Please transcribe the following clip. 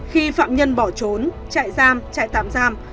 khi phạm nhân bỏ trốn chạy giam chạy tạm giam